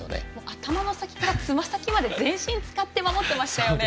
頭の先からつま先まで全身使って守っていましたね。